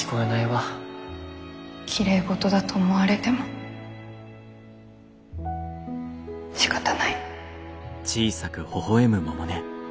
きれいごとだと思われてもしかたない。